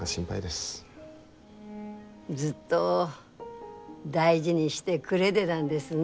ずっと大事にしてくれでだんですね。